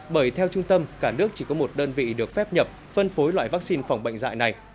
bởi theo trung tâm cả nước chỉ có một đơn vị được phép nhập phân phối loại vaccine phòng bệnh dạy này